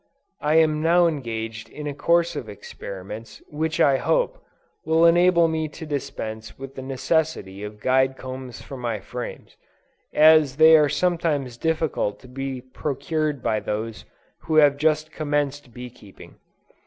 I am now engaged in a course of experiments, which I hope, will enable me to dispense with the necessity of guide combs for my frames, as they are sometimes difficult to be procured by those who have just commenced bee keeping.